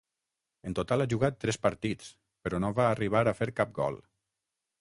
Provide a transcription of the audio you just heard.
En total ha jugat tres partits, però no va arribar a fer cap gol.